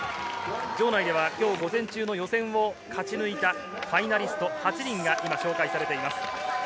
場内では今日午前中の予選を勝ち抜いたファイナリスト８人が今紹介されています。